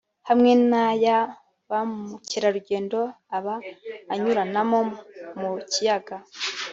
hamwe n'aya bamukerarugendo aba anyuranamo mu kiyaga